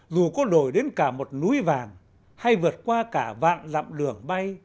dù có đổi đến cả một núi vàng hay vượt qua cả vạn lạm lường bay